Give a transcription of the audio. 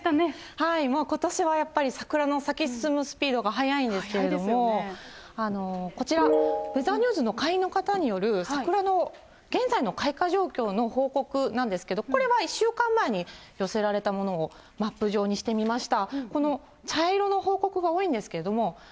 ことしはやっぱり桜の咲くスピードが速いんですけれども、こちら、ウェザーニュースの会員の方による桜の現在の開花の報告なんですけど、これは１週間前に寄せられたものをマップにしてみました。